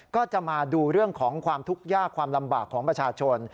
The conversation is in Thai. ก็จะมาดูเรื่องของความทุกข์ยากความลำบากของประชาชน